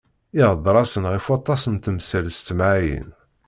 Iheddeṛ-asen ɣef waṭas n temsal s temɛayin.